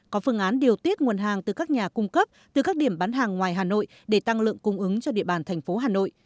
có phương án điều tiết nguồn hàng từ các nhà cung cấp từ các điểm bán hàng ngoài hà nội để tăng lượng cung ứng cho địa bàn thành phố hà nội